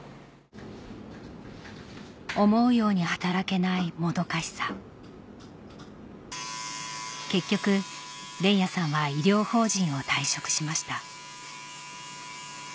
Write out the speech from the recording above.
思うように働けないもどかしさ結局連也さんは医療法人を退職しました